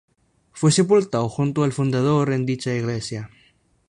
Fue sepultado, junto al fundador, en dicha iglesia.